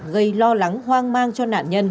gây lo lắng hoang mang cho nạn nhân